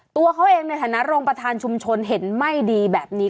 ตัวเขาเองในฐานะรองประธานชุมชนเห็นไม่ดีแบบนี้